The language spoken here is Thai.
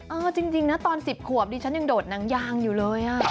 เออจริงนะตอน๑๐ขวบดิฉันยังโดดหนังยางอยู่เลย